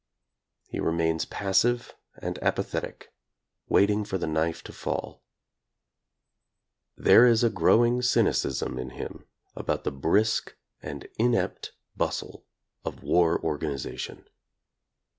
He remains passive and apathetic, waiting for the knife to fall. There is a growing cynicism in him about the brisk and inept bustle of war organization.